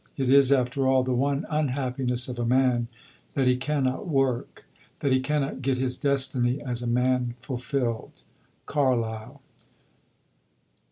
It is, after all, the one unhappiness of a man, that he cannot work; that he cannot get his destiny as a man fulfilled. CARLYLE.